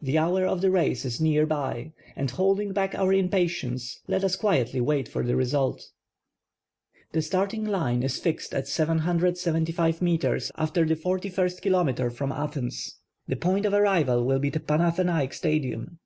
The hour of the r ^ce is near by and liolding back our impatience let us quietly wait for the result. The >^:arting line is fixed at 775 meters nftcr the 41 kilom. from Athens. The point of arrival will be the Panathcnaic Stadium.